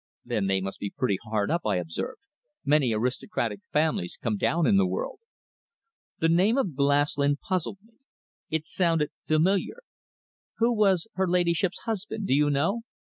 "Then they must be pretty hard up," I observed. "Many aristocratic families come down in the world." The name of Glaslyn puzzled me. It sounded familiar. "Who was her ladyship's husband? Do you know?"